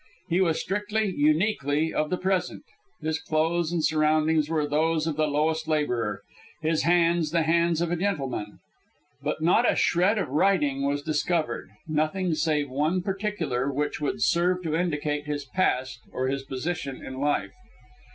He was strictly, uniquely, of the present. His clothes and surroundings were those of the lowest labourer, his hands the hands of a gentleman. But not a shred of writing was discovered, nothing, save in one particular, which would serve to indicate his past or his position in life.